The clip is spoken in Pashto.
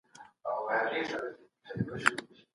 نوي سياسي نظامونه خلګو ته د پخوا په پرتله ډېر ارزښت ورکوي.